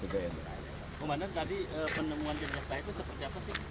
komandan tadi penemuan jenis air itu seperti apa sih